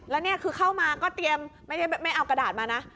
แล้วนี่คือเข้ามาก็เตรียมไม่เอากระดาษมานะ